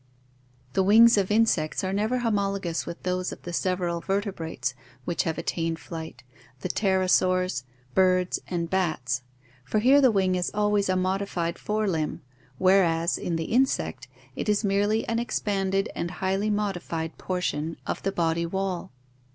The wings of insects are never homologous with those of the sev eral vertebrates which have attained flight, the pterosaurs, birds, and bats, for here the wing is always a modified fore limb, whereas in the insect it is merely an expanded and highly modified portion of the body wall (see Fig.